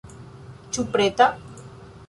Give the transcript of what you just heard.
Ĉu preta?